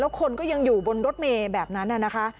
คนก็ยังอยู่บนรถเมย์แบบนั้นนะคะ